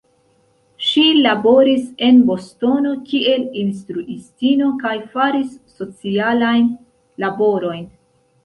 Ŝi laboris en Bostono kiel instruistino kaj faris socialajn laborojn.